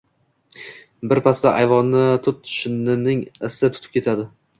Birpasda ayvonni tut shinnining isi tutib ketadi...